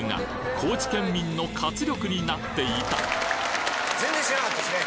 高知県民の活力になっていた全然知らなかったですね。